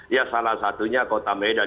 ya salah satunya kota medan